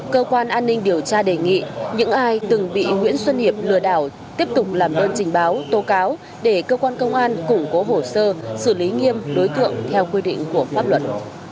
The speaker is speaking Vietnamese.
cơ quan an ninh điều tra đề nghị những ai từng bị nguyễn xuân hiệp lừa đảo tiếp tục làm đơn trình báo tố cáo để cơ quan công an củng cố hồ sơ xử lý nghiêm đối tượng theo quy định của pháp luật